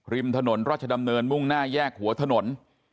ริมถนนราชดำเนินมุ่งหน้าแยกหัวถนน